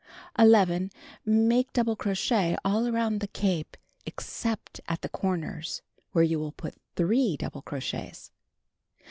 11. Make (l()ul)le crochet all around the cape except at tiie corners, where you will put 3 double crochets.